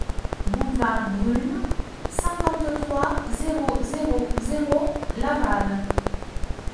Boulevard Brune, cinquante-trois, zéro zéro zéro Laval